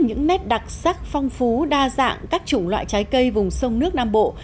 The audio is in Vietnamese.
những nét đặc sắc phong phú đa dạng các chủng loại trái cây vùng sông nước nam bộ